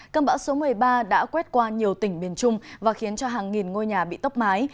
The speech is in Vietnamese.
cơn bão số một mươi ba đã quét qua nhiều tỉnh miền trung và khiến cho hàng nghìn ngôi nhà bị tốc mái